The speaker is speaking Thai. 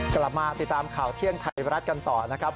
กลับมาติดตามข่าวเที่ยงไทยรัฐกันต่อนะครับ